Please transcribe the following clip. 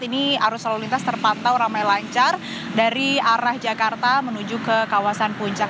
ini arus lalu lintas terpantau ramai lancar dari arah jakarta menuju ke kawasan puncak